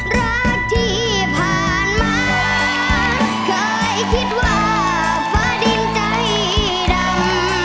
รักที่ผ่านมาเคยคิดว่าฟ้าดินใจดำ